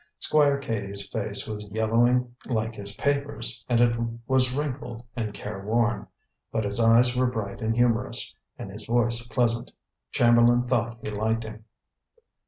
Squire Cady's face was yellowing, like his papers, and it was wrinkled and careworn; but his eyes were bright and humorous, and his voice pleasant. Chamberlain thought he liked him.